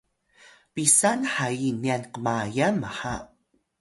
pisan hayi nyan kmayal mha